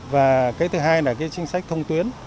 và cái thứ hai là cái chính sách thông tuyến